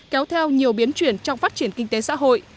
kéo theo nhiều biến chuyển trong phát triển kinh tế xã hội